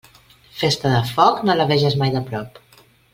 Festa de foc, no la veges mai de prop.